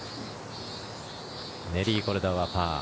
ネリー・コルダはパー。